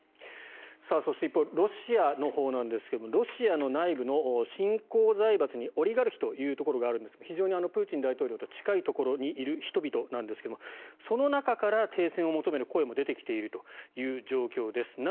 そして、一方ロシアのほうなんですがロシアの内部の新興財閥にオリガルヒというところがるんですが非常にプーチン大統領と近いところにいる人々なんですがその中から停戦を求める声も出てきているという状況です。